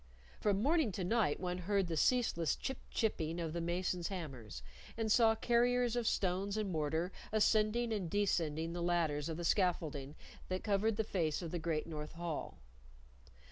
From morning to night one heard the ceaseless chip chipping of the masons' hammers, and saw carriers of stones and mortar ascending and descending the ladders of the scaffolding that covered the face of the great North Hall.